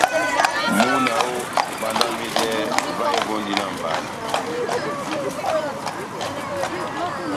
Múna oooh, bandamedɛhɛ, vahe vondi na mʼbana.